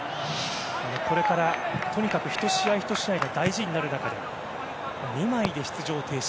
これからとにかく１試合１試合が大事になる中で２枚で出場停止。